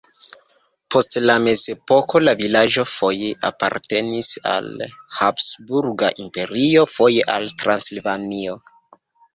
Post la mezepoko la vilaĝo foje apartenis al Habsburga Imperio, foje al Transilvanio.